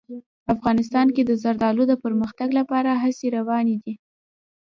افغانستان کې د زردالو د پرمختګ لپاره هڅې روانې دي.